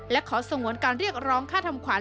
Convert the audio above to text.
และขอสงวนการเรียกร้องค่าทำขวัญ